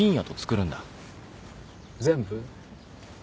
全部？